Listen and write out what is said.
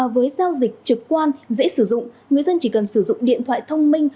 với giao dịch trực quan dễ sử dụng người dân chỉ cần sử dụng điện thoại thông minh